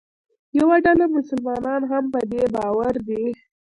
یوه ډله مسلمانان هم په دې باور دي.